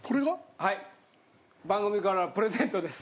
はい番組からプレゼントです。